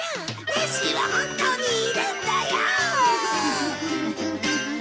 ネッシーは本当にいるんだよ！